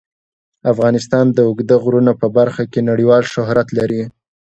افغانستان د اوږده غرونه په برخه کې نړیوال شهرت لري.